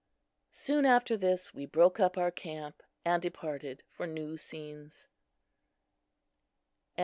Soon after this we broke up our camp and departed for new scenes. III.